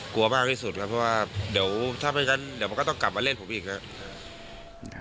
กลัวมากที่สุดครับเพราะว่าเดี๋ยวถ้าไม่งั้นเดี๋ยวมันก็ต้องกลับมาเล่นผมอีกครับ